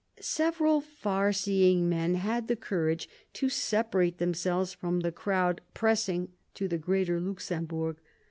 Several far seeing men had the courage to separate themselves from the crowd pressing to the greater Luxem bourg.